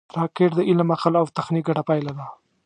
راکټ د علم، عقل او تخنیک ګډه پایله ده